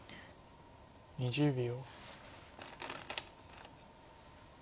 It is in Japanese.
２０秒。